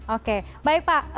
oke baik pak